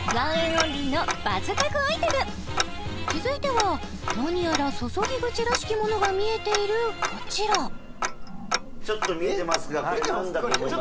’ＯＮＬＹのバズ確アイテム続いては何やら注ぎ口らしきものが見えているこちらちょっと見えてますがこれ何だと思いますか？